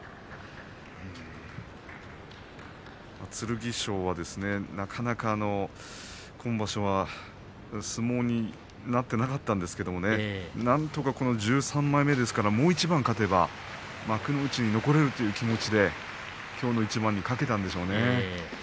剣翔は今場所はなかなか相撲になっていなかったんですけれどなんとかこの１３枚目ですからもう一番勝てば幕内に残れるという気持ちできょうの一番にかけたんでしょうね。